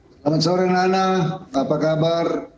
selamat sore nana apa kabar